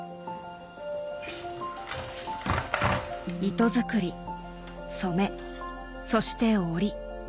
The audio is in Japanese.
糸作り染めそして織り。